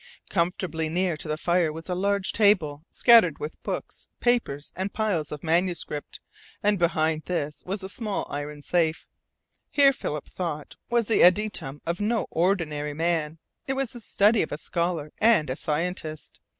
Comfortably near to the fire was a large table scattered with books, papers, and piles of manuscript, and behind this was a small iron safe. Here, Philip thought, was the adytum of no ordinary man; it was the study of a scholar and a scientist.